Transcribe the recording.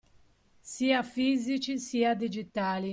Sia fisici sia digitali